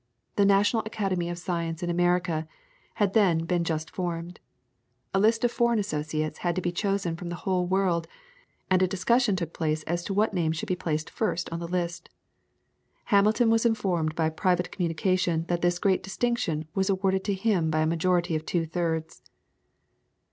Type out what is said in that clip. The National Academy of Science in America had then been just formed. A list of foreign Associates had to be chosen from the whole world, and a discussion took place as to what name should be placed first on the list. Hamilton was informed by private communication that this great distinction was awarded to him by a majority of two thirds.